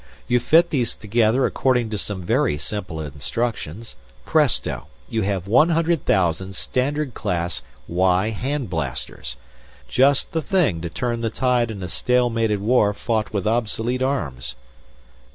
You fit these together according to some very simple instructions. Presto! You have one hundred thousand Standard class Y hand blasters. Just the thing to turn the tide in a stalemated war fought with obsolete arms."